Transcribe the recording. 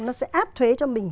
nó sẽ áp thuế cho mình